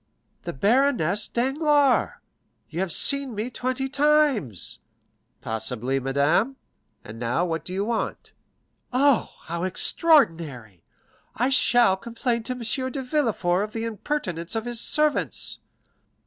"The baroness Danglars; you have seen me twenty times." "Possibly, madame. And now, what do you want?" "Oh, how extraordinary! I shall complain to M. de Villefort of the impertinence of his servants."